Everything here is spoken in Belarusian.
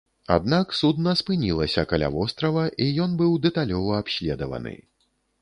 Аднак судна спынілася каля вострава, і ён быў дэталёва абследаваны.